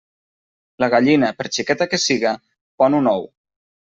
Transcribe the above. La gallina, per xiqueta que siga, pon un ou.